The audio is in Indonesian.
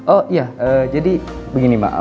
oh iya jadi begini mbak